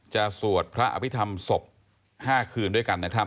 สวดพระอภิษฐรรมศพ๕คืนด้วยกันนะครับ